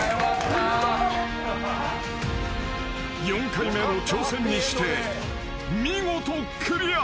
［４回目の挑戦にして見事クリア］